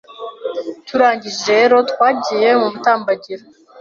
Turangije rero twagiye mu mutambagiro